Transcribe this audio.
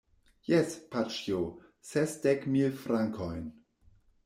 Jes, paĉjo, sesdek mil frankojn.